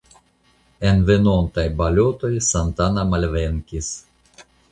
En venontaj balotoj Santana malvenkis.